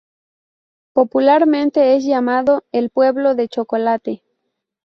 Popularmente es llamado "El pueblo de chocolate".